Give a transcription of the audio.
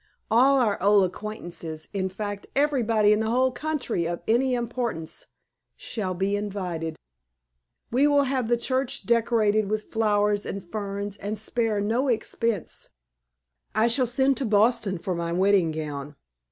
All our old acquaintances in fact, everybody in the whole country of any importance shall be invited. We will have the church decorated with flowers and ferns and spare no expense. I shall send to Boston for my wedding gown.